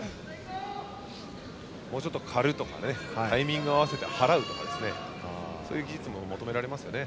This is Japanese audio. もうちょっと刈るとかタイミングを合わせて払うとか、そういう技術も求められますね。